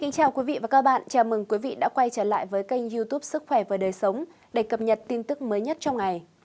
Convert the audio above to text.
chào mừng quý vị đã quay trở lại với kênh youtube sức khỏe và đời sống để cập nhật tin tức mới nhất trong ngày